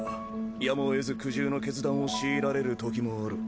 やむをえず苦渋の決断を強いられるときもある。